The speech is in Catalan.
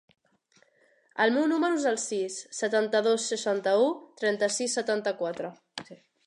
El meu número es el sis, setanta-dos, seixanta-u, trenta-sis, setanta-quatre.